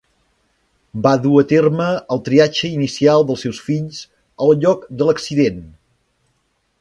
Va dur a terme el triatge inicial dels seus fills al lloc de l'accident.